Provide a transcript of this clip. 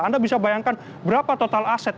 anda bisa bayangkan berapa total aset